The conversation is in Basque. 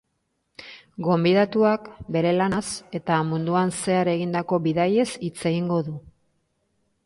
Gonbidatuak bere lanaz eta munduan zehar egindako bidaiez hitz egingo du.